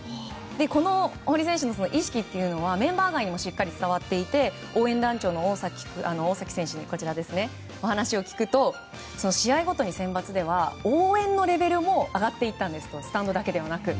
この堀選手の意識というのはメンバー外にもしっかり伝わっていて応援団長の大崎選手にお話を聞くと試合ごとにセンバツでは応援のレベルも上がっていったんですと。